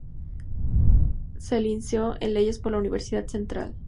Se licenció en Leyes por la Universidad Central.